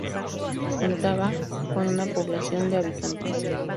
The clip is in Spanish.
En contaba con una población de habitantes.